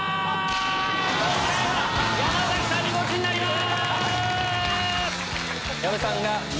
今回は山さんにゴチになります！